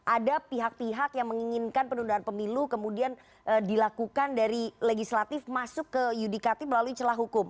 ada pihak pihak yang menginginkan penundaan pemilu kemudian dilakukan dari legislatif masuk ke yudikatif melalui celah hukum